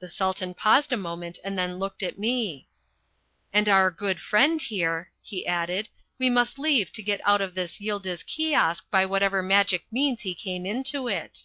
The Sultan paused a moment and then looked at me. "And our good friend here," he added, "we must leave to get out of this Yildiz Kiosk by whatsoever magic means he came into it."